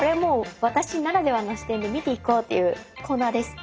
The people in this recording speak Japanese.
私ならではの視点で見ていこうっていうコーナーです。